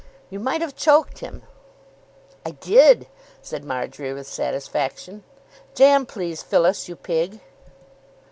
"You might have choked him." "I did," said Marjory with satisfaction. "Jam, please, Phyllis, you pig."